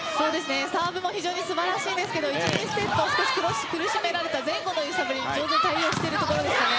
サーブも非常に素晴らしいけど１セット目で少し苦しめられた前後の揺さぶりに上手に対応しているところですかね。